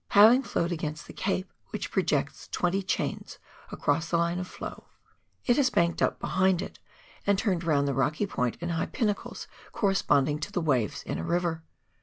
Having flowed against the Cape, which projects twenty chains across the line of flow, it has 172 PIONEER WORK IN THE ALPS OF NEW ZEALAND. banked up behind it and turned round the rocky point in high pinnacles corresponding to the waves in a river.